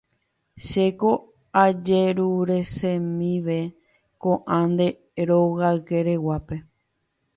Chéko ajeruresemive ko'ã nde rogaykereguápe